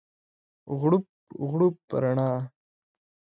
غوړپ، غوړپ رڼا